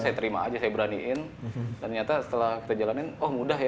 saya terima saja saya beraniin dan setelah kita jalani oh mudah ya